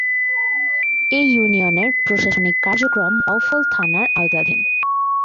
এ ইউনিয়নের প্রশাসনিক কার্যক্রম বাউফল থানার আওতাধীন।